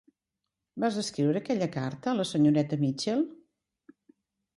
Vas escriure aquella carta a la senyoreta Mitchell?